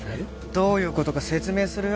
どういうことか説明するよ